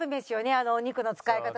あのお肉の使い方とかね。